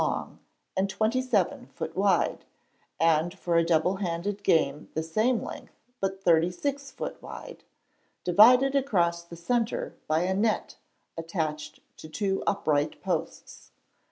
long and 27 ft. wide, and for a double handed game the same length, but 36 ft. wide, divided across the centre by a net attached to two upright posts.